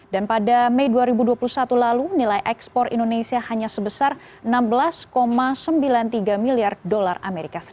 dan pada mei dua ribu dua puluh satu lalu nilai ekspor indonesia hanya sebesar enam belas sembilan puluh tiga miliar dolar as